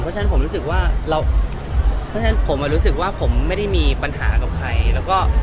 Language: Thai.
ผมรู้สึกว่าผมไม่ได้มีปัญหากับใคร